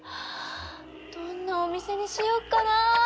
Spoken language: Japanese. どんなお店にしよっかなぁ！